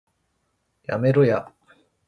やめろや